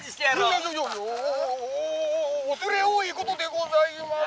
「いやいやいやお恐れ多いことでございます！」。